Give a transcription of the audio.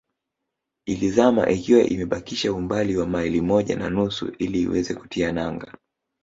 Ilizama ikiwa imebakisha umbali wa maili moja na nusu ili iweze kutia nanga